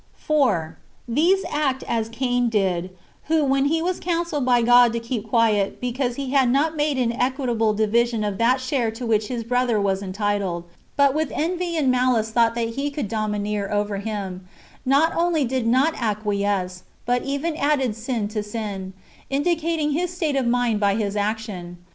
4. [These act] ^ as Cain [did, who], when he was coun selled by God to keep quiet, because he had not made an equitable division of that share to w^hich his brother was entitled, but with envy and malice thought that he could domineer over him, not only did not acquiesce, but even added sin to sin, indicating his state of mind by his action.